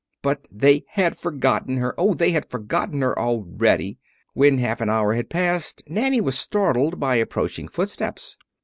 But they had forgotten her oh, they had forgotten her already! When half an hour had passed, Nanny was startled by approaching footsteps.